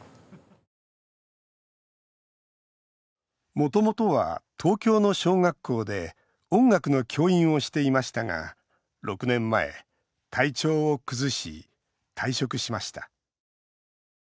もともとは東京の小学校で音楽の教員をしていましたが６年前、体調を崩し退職しました。